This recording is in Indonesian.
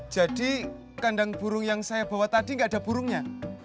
jadi kandang burung yang saya bawa tadi enggak ada burungnya